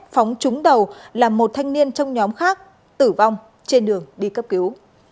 phóng trúng đầu làm một thanh niên trong nhóm khác tử vong trên đường đi cấp cứu